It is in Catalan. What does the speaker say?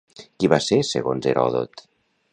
Qui va ser segons Heròdot?